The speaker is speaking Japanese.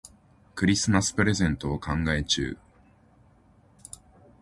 クリスマスプレゼントを考え中。